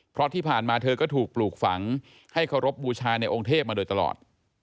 เพราะที่ผ่านมาเธอก็ถูกปลูกฝังให้เคารพบูชาในองค์เทพมาโดยตลอด